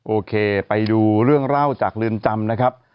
โอเคไปดูเรื่องเล่าจากเรือนจำนะครับ